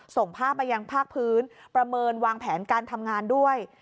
ส่งภาพมายังภาคพื้นประเมินวางแผนการทำงานด้วย